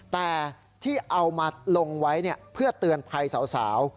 แต่ที่เอามาลงไว้เพื่อเตือนภัยสาว